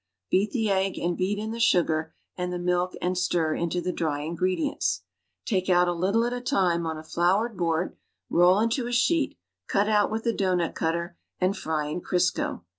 Beat the egg, and beat in the sugar and the milk and stir into the dry ingredients. Take out a little at a time on a floured board, roll into a sheet, cut out with a doughnut cutter and fry in Crisco.